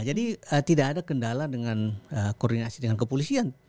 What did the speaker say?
tidak ada kendala dengan koordinasi dengan kepolisian